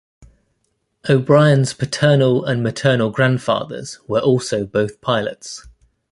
O'Brien's paternal and maternal grandfathers were also both pilots.